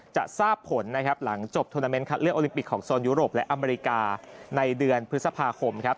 จะทราบผลหลังจบธนาเมนท์คัดเลือกโอลิมปิกของโซนยูโรปและอเมริกาในเดือนพฤษภาคม